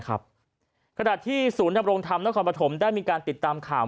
ขณะที่ศูนย์ดำรงธรรมนครปฐมได้มีการติดตามข่าว